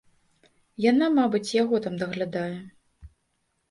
Яна, мабыць, яго там даглядае.